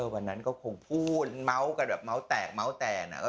วันนั้นก็คงพูดเมาะกันเมาะแตกเมาะแต่ง